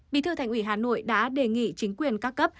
bí thư thành ủy hà nội đã đề nghị chính quyền các cấp